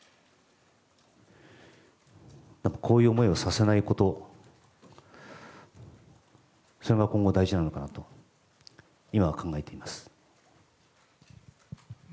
こういう思いをさせないことそれが今後大事なのかなと今は考えています。